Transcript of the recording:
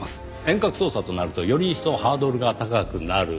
遠隔操作となるとより一層ハードルが高くなる。